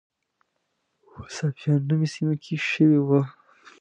په صافیانو نومي سیمه کې شوې وه.